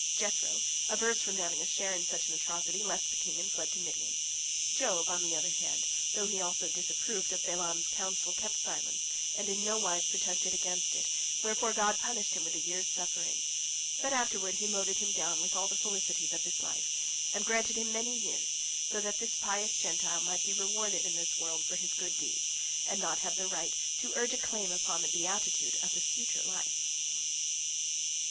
Jethro, averse from having a share in such an atrocity, left the king and fled to Midian. Job, on the other hand, though he also disapproved of Balaam's counsel, kept silence, and in no wise protested against it, wherefor God punished him with a year's suffering. But afterward He loaded him down with all the felicities of this life, and granted him many years, so that this pious Gentile might be rewarded in this world for his good deeds and not have the right to urge a claim upon the beatitude of the future life.